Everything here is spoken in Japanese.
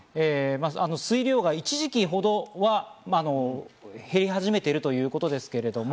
水量が一時期ほどは減り始めているということですけれども。